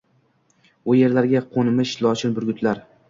U yerlarga qoʻnmish lochin, burgutlar...